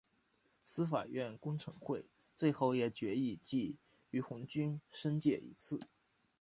司法院公惩会最后也议决记俞鸿钧申诫一次。